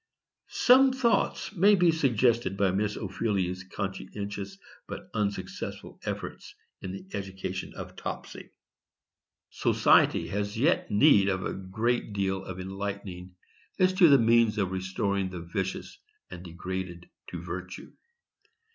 Some thoughts may be suggested by Miss Ophelia's conscientious but unsuccessful efforts in the education of Topsy. Society has yet need of a great deal of enlightening as to the means of restoring the vicious and degraded to virtue.